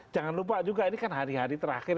jangan lupa juga ini kan hari hari terakhir